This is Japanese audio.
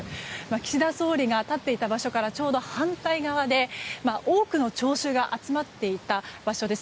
岸田総理が立っていた場所からちょうど反対側で多くの聴衆が集まっていた場所です。